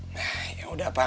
nah yaudah pak